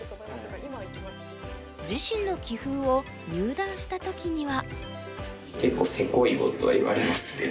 自身の棋風を入段した時には。